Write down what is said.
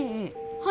はい。